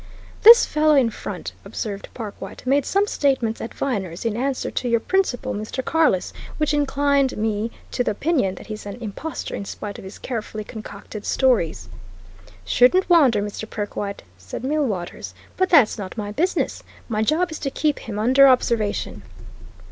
"This fellow in front," observed Perkwite, "made some statements at Viner's, in answer to your principal, Mr. Carless, which incline me to the opinion that he's an impostor in spite of his carefully concocted stories." "Shouldn't wonder, Mr. Perkwite." said Millwaters. "But that's not my business. My job is to keep him under observation."